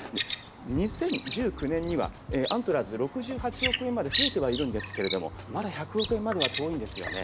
２０１９年にはアントラーズ６８億円まで増えてはいるんですけれどもまだ１００億円までは遠いんですよね。